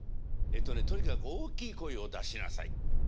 えっとねとにかく大きい声を出しなさい。